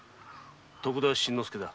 徳田新之助だ。